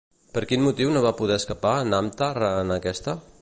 Per quin motiu no va poder escapar Namtar en aquesta?